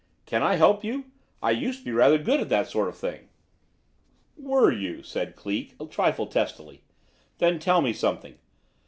"Can I help you? I used to be rather good at that sort of thing." "Were you?" said Cleek, a trifle testily. "Then tell me something.